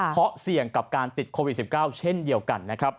เพราะเสี่ยงกับการติดโควิด๑๙เช่นเดียวกันนะครับ